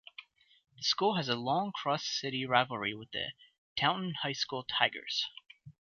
The school has a long, cross-city rivalry with the Taunton High School "Tigers".